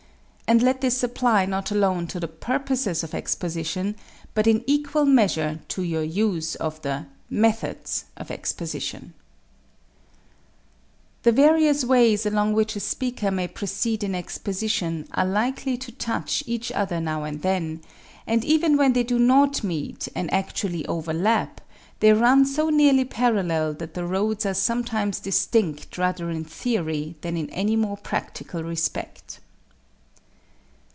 And let this apply not alone to the purposes of exposition but in equal measure to your use of the Methods of Exposition The various ways along which a speaker may proceed in exposition are likely to touch each other now and then, and even when they do not meet and actually overlap they run so nearly parallel that the roads are sometimes distinct rather in theory than in any more practical respect.